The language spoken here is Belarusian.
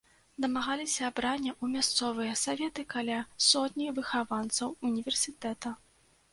Дамагліся абрання ў мясцовыя саветы каля сотні выхаванцаў універсітэта.